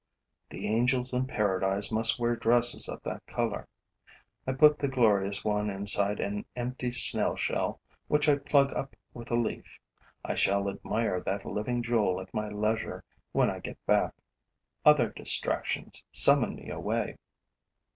The angels in paradise must wear dresses of that color. I put the glorious one inside an empty snail shell, which I plug up with a leaf. I shall admire that living jewel at my leisure, when I get back. Other distractions summon me away.